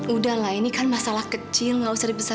udahlah ini kan masalah kecil gak usah dibesarkan